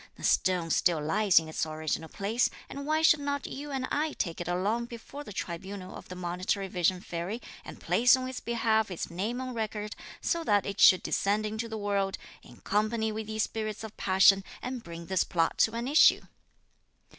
The stone still lies in its original place, and why should not you and I take it along before the tribunal of the Monitory Vision Fairy, and place on its behalf its name on record, so that it should descend into the world, in company with these spirits of passion, and bring this plot to an issue?"